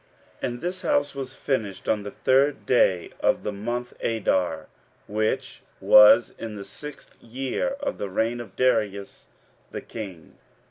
15:006:015 And this house was finished on the third day of the month Adar, which was in the sixth year of the reign of Darius the king.